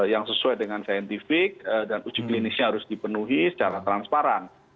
yang sesuai dengan saintifik dan uji klinisnya harus dipenuhi secara transparan